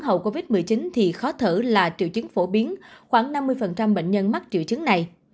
hậu covid một mươi chín thì khó thở là triệu chứng phổ biến khoảng năm mươi bệnh nhân mắc triệu chứng này